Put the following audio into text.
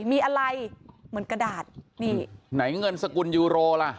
มีอะไรเหมือนกระดาษนี่ไหนเงินสกุลยูโรล่ะ